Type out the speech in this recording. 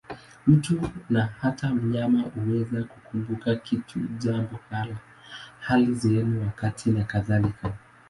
Mtu, na hata mnyama, huweza kukumbuka kitu, jambo, hali, sehemu, wakati nakadhalika.